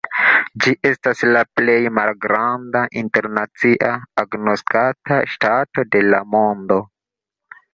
Ĝi estas la plej malgranda internacie agnoskata ŝtato de la mondo.